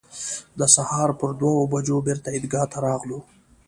د سهار پر دوه بجو بېرته عیدګاه ته راغلو.